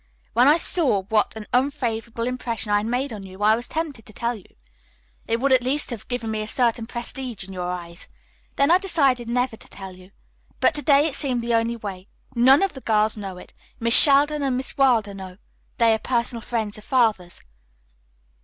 When I saw what an unfavorable impression I had made on you I was tempted to tell you. It would at least have given me a certain prestige in your eyes. Then I decided never to tell you. But to day it seemed the only way. None of the girls know it. Miss Sheldon and Miss Wilder know. They are personal friends of Father's."